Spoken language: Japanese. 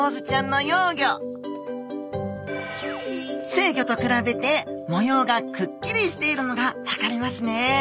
成魚と比べて模様がくっきりしているのが分かりますね。